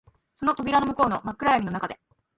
その扉の向こうの真っ暗闇の中で、